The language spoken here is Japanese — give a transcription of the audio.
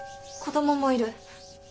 子どももいる。